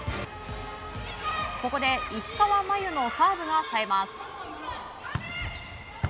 ここで石川真佑のサーブがさえます。